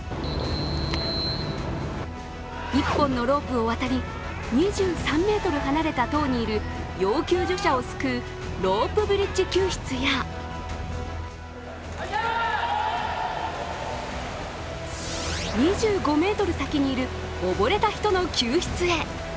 １本のロープを渡り、２３ｍ離れた塔にいる要救助者を救うロープブリッジ救出や２５ｍ先にいる溺れた人の救出へ。